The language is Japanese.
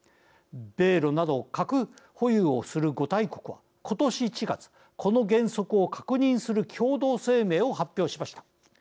米ロなど核保有をする五大国は今年１月この原則を確認する共同声明を発表しました。